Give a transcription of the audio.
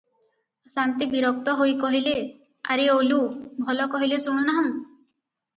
ସା'ନ୍ତେ ବିରକ୍ତ ହୋଇ କହିଲେ, ଆରେ ଓଲୁ, ଭଲ କହିଲେ ଶୁଣୁନାହୁଁ?